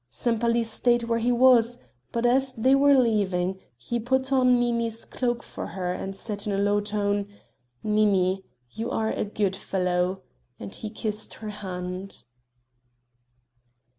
Sempaly stayed where he was; but as they were leaving, he put on Nini's cloak for her, and said in a low tone: "Nini, you are a good fellow!" and he kissed her hand.